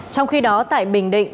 trong khi đó tại bình địa